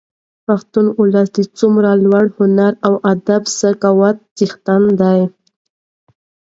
پښتون ولس د څومره لوړ هنري او ادبي ذوق څښتن دي.